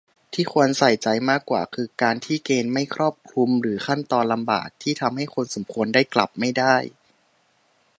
ที่ควรใส่ใจมากกว่า คือการที่เกณฑ์ไม่ครอบคลุมหรือขั้นตอนลำบาก ที่ทำให้คนสมควรได้กลับไม่ได้